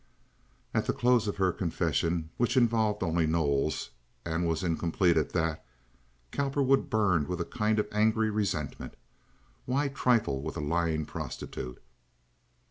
At the close of her confession, which involved only Knowles, and was incomplete at that, Cowperwood burned with a kind of angry resentment. Why trifle with a lying prostitute?